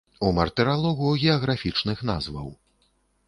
У мартыралогу геаграфічных назваў.